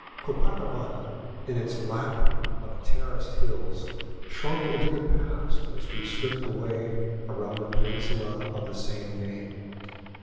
Copacabana in its lap of terraced hills shrunk into the past as we slipped away around the peninsula of the same name.